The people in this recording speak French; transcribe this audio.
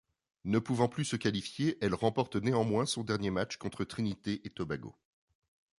Ne pouvant plus se qualifier elle remporte néanmoins son dernier match contre Trinité-et-Tobago.